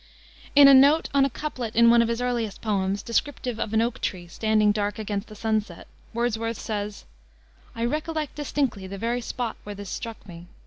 In a note on a couplet in one of his earliest poems, descriptive of an oak tree standing dark against the sunset, Wordsworth says: "I recollect distinctly the very spot where this struck me.